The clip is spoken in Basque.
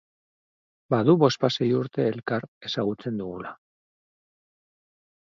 Badu bospasei urte elkar ezagutzen dugula.